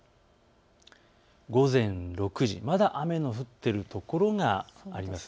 午前６時、まだ雨の降っている所があります。